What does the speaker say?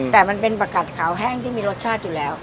แต่มันเป็นผักกัดขาวแห้งที่มีรสชาติอยู่แล้ว